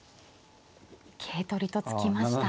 桂取りと突きました。